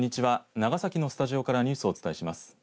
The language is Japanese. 長崎のスタジオからニュースをお伝えします。